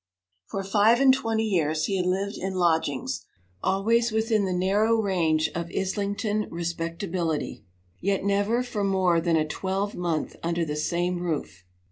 For five and twenty years he had lived in lodgings; always within the narrow range of Islington respectability, yet never for more than a twelvemonth under the same roof.